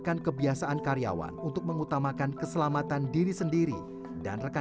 kita bisa melihat kekuatan dan kekuatan di luar tanah